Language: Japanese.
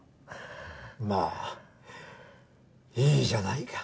まあいいじゃないか。